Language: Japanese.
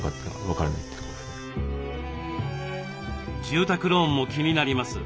住宅ローンも気になります。